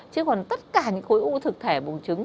chứ còn tất cả những khối u thực thể bùng trứng